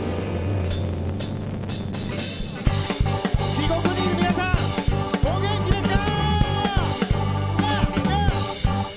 地獄にいる皆さんお元気ですか！